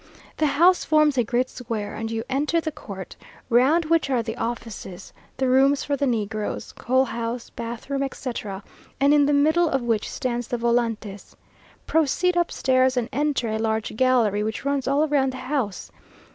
The house forms a great square, and you enter the court, round which are the offices, the rooms for the negroes, coal house, bath room, etc., and in the middle of which stand the volantes. Proceed upstairs, and enter a large gallery which runs all round the house.